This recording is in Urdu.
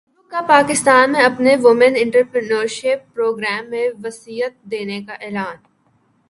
فیس بک کا پاکستان میں اپنے وومن انٹرپرینیورشپ پروگرام کو وسعت دینے کا اعلان